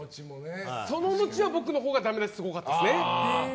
その後の僕のほうがダメ出しすごかったですね。